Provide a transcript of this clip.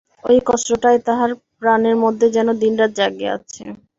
ঐ কষ্টটাই তাঁহার প্রাণের মধ্যে যেন দিনরাত জাগিয়া আছে।